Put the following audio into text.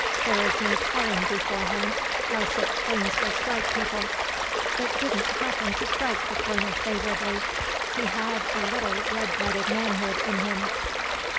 There is no telling beforehand how such things will strike people. It didn't happen to strike the Colonel favorably. He had a little red blooded manhood in him.